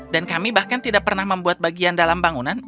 dan kami bahkan tidak pernah membuat bagian dalam bangunan